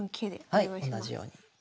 はい同じように。